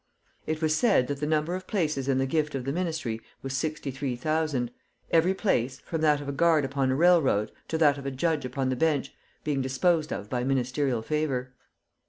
It was said that the number of places in the gift of the Ministry was sixty three thousand, every place, from that of a guard upon a railroad to that of a judge upon the bench, being disposed of by ministerial favor.